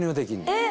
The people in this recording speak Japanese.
えっ！